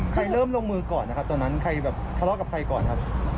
ใครเริ่มลงมือก่อนนะครับตอนนั้นใครแบบทะเลาะกับใครก่อนครับ